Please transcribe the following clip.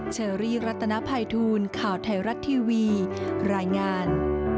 ท่านน่าจะถูกถ่ายทอดมาในรูปแบบใดก็ตาม